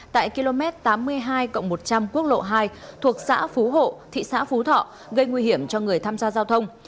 tại km tám mươi hai một trăm linh quốc lộ hai thuộc xã phú hộ thị xã phú thọ gây nguy hiểm cho người tham gia giao thông